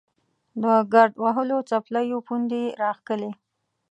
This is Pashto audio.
د ګرد وهلو څپلیو پوندې یې راښکلې.